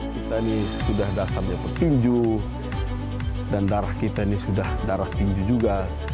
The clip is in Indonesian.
kita ini sudah dasarnya petinju dan darah kita ini sudah darah tinggi juga